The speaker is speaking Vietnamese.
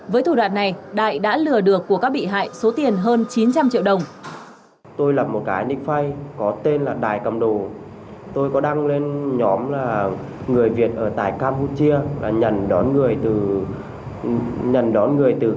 với thủ đoạn này đại đã lừa được của các bị hại số tiền hơn chín trăm linh triệu đồng